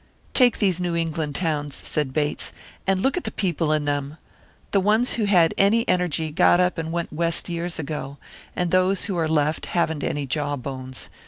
"Take these New England towns," said Bates; "and look at the people in them. The ones who had any energy got up and went West years ago; and those who are left haven't any jaw bones.